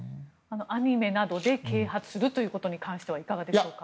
アニメなどで啓発するということに関してはいかがでしょうか。